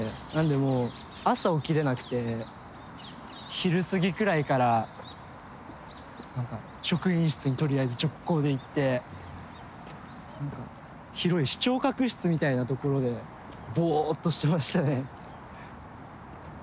昼過ぎくらいから何か職員室にとりあえず直行で行って何か広い視聴覚室みたいなところでボーッとしてましたね。